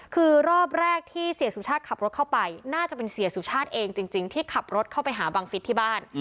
คือรอบแรกที่เสียสุชาติขับรถเข้าไปน่าจะเป็นเสียสุชาติเองจริงที่ขับรถเข้าไปหาบังฟิศที่บ้าน